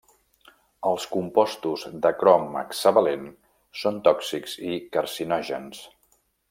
Els compostos de crom hexavalent són tòxics i carcinògens.